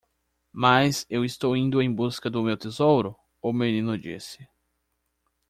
"Mas eu estou indo em busca do meu tesouro?" o menino disse.